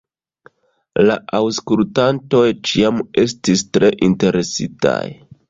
La aŭskultantoj ĉiam estis tre interesitaj.